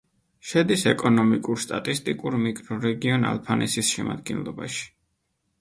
შედის ეკონომიკურ-სტატისტიკურ მიკრორეგიონ ალფენასის შემადგენლობაში.